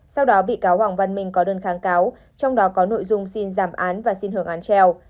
sau đó bị cáo hoàng văn minh có đơn kháng cáo trong đó có nội dung xin giảm án và xin hưởng án treo